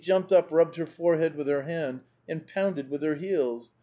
She jamped up, rabbed her forehead with her hand and poundod with her heeli§.